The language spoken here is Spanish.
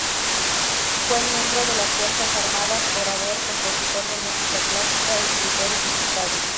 Fue miembro de las fuerzas armadas, orador, compositor de música clásica, escritor, y diputado.